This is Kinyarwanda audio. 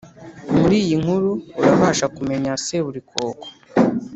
muri iyi nkuru, urabasha kumenya seburikoko